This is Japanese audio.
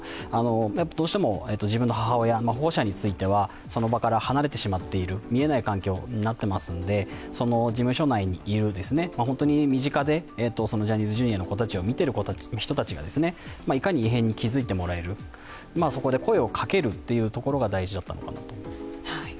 どうしても自分の母親、保護者についてはその場から離れてしまっている見えない環境になっていますので、事務所内にいる本当に身近でジャニーズＪｒ．の子たちを見ている人たちがいかに異変に気づいてもらえる、そこで声をかけるということが大事だったのかなと。